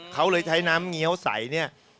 เขาเลยใช้น้ำเงี้ยวใสเนี่ย